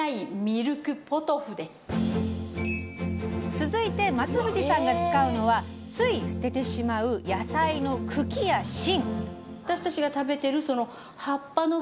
続いて松藤さんが使うのはつい捨ててしまう野菜の茎や芯。